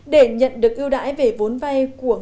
để nhận được ưu đãi về vốn vay của ngành